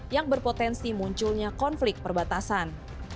yang berpotensi munculnya konflik perbatasan